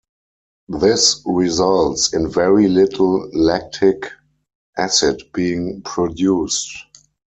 This results in very little lactic acid being produced.